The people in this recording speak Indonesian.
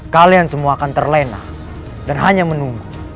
kalian semua akan terlena dan hanya menunggu